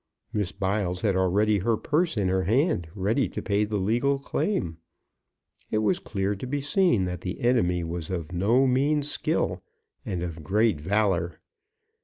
Miss Biles had already her purse in her hand, ready to pay the legal claim. It was clear to be seen that the enemy was of no mean skill and of great valour.